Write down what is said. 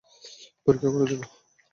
পরীক্ষা করে দেখো।